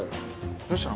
どうしたの？